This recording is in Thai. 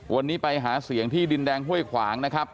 วันนี้ไปหาเสียงที่ดินแดงห้วยขวางนะครับ